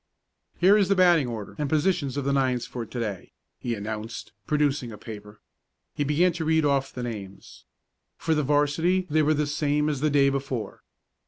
"Here is the batting order and positions of the nines for to day," he announced, producing a paper. He began to read off the names. For the 'varsity they were the same as the day before.